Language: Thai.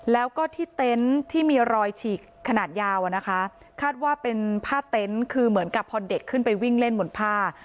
แล้วก็ที่เต็นต์ที่มีรอยฉีกขนาดยาวอะนะคะคาดว่าเป็นผ้าเต็นต์คือเหมือนกับพอเด็กขึ้นไปวิ่งเล่นบนผ้า